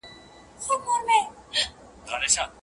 د دښمن کره ځم دوست مي ګرو دی.